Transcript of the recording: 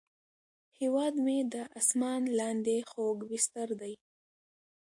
هیواد مې د اسمان لاندې خوږ بستر دی